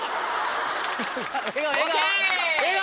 笑顔笑顔。